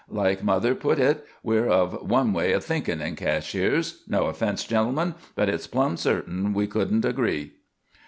Like mother put hit, we're of one way of thinkin' in Cashiers. No offense, gentlemen, but hit's plumb certain we shouldn't agree."